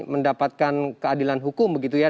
mendapatkan keadilan hukum begitu ya